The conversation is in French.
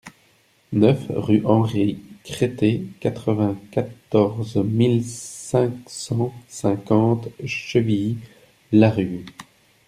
neuf rue Henri Cretté, quatre-vingt-quatorze mille cinq cent cinquante Chevilly-Larue